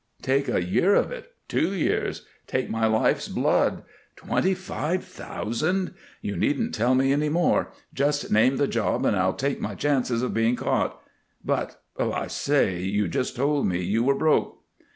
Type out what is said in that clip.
"Take a year of it, two years. Take my life's blood. Twenty five thousand! You needn't tell me any more; just name the job and I'll take my chances of being caught. But I say, you just told me you were broke."